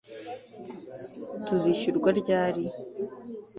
Tuzishyurwa ryari